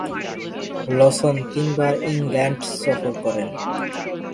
লসন তিনবার ইংল্যান্ড সফর করেন।